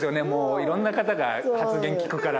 いろんな方が発言聞くから。